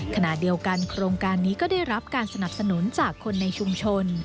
ขณะเดียวกันโครงการนี้ก็ได้รับการสนับสนุนจากคนในชุมชน